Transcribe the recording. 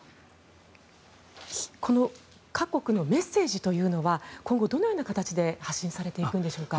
この各国のメッセージというのは今後、どのような形で発信されていくのでしょうか。